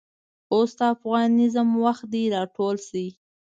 اوس دافغانیزم وخت دی راټول شئ